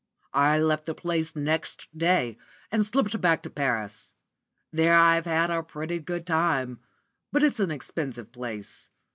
"I left the place next day, and slipped back to Paris. There I've had a pretty good time, but it's an expensive place.